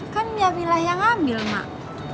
kan jamilah yang ambil mak